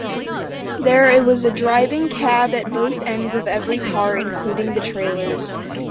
There was a driving cab at both ends of every car, including the trailers.